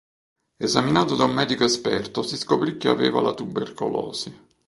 Esaminato da un medico esperto si scoprì che aveva la tubercolosi.